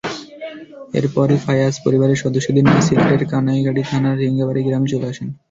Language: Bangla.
এরপরই ফাইয়াজ পরিবারের সদস্যদের নিয়ে সিলেটের কানাইঘাট থানার ঝিঙ্গাবাড়ী গ্রামে চলে আসেন।